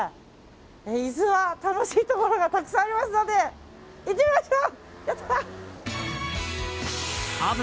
伊豆は楽しいところがたくさんありますので行ってみましょう、やったー！